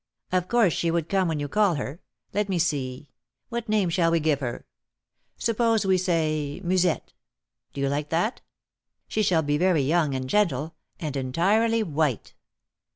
"Of course she would come when you called her. Let me see, what name shall we give her? Suppose we say, Musette. Do you like that? She shall be very young and gentle, and entirely white."